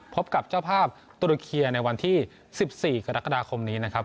พบกับเจ้าภาพตุรเคียในวันที่๑๔กรกฎาคมนี้นะครับ